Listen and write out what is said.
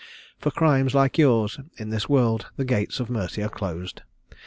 For crimes like yours, in this world, the gates of mercy are closed.